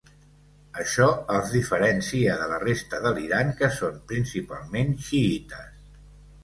Això els diferencia de la resta de l'Iran que són principalment xiïtes.